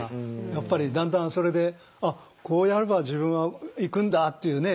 やっぱりだんだんそれであっこうやれば自分はいくんだっていうね